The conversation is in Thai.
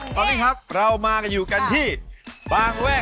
กับรายการเซธีปายแจ้ง